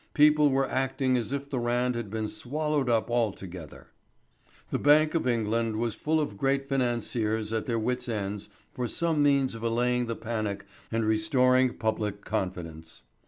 People were acting as if the Rand had been swallowed up altogether. The Bank of England was full of great financiers at their wits' ends for some means of allaying the panic and restoring public confidence.